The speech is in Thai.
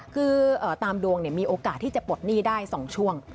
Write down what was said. คือตามดวงมีโอกาสที่จะปลดหนี้ได้๒ช่วง